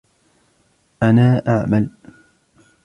أنا أعمل.